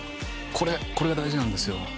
これこれが大事なんですよ